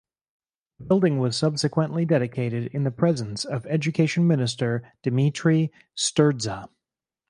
The building was subsequently dedicated in the presence of Education Minister Dimitrie Sturdza.